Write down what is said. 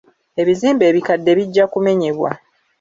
Ebizimbe ebikadde bijja kumenyebwa.